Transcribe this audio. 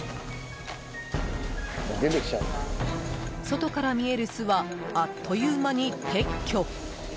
外から見える巣はあっという間に撤去。